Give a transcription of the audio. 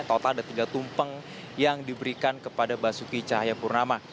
total ada tiga tumpeng yang diberikan kepada basuki cahayapurnama